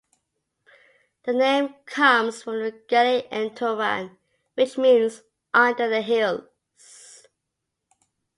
The name comes from the Gaelic "An Toran" which means 'under the hills'.